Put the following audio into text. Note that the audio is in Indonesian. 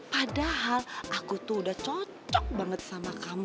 padahal aku tuh udah cocok banget sama kamu